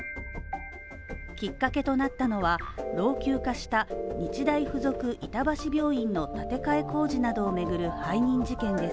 きっかけとなったのは、老朽化した日大附属板橋病院の建て替え工事などをめぐる背任事件です。